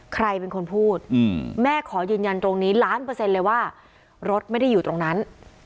ใครเป็นคนพูดแม่ขอยืนยันตรงนี้ล้านเปอร์เซ็นต์เลยว่ารถไม่ได้อยู่ตรงนั้น